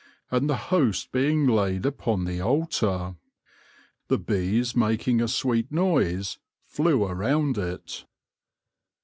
And the Host being laid upon the altar, the Bees making a sweet noise, flew around it."